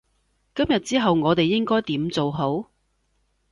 今日之後我哋應該點做好？